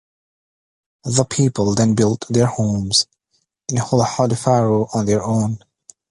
The people then built their homes in Hulhudhuffaru on their own.